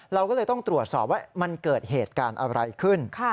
เราก็เลยต้องตรวจสอบว่ามันเกิดเหตุการณ์อะไรขึ้น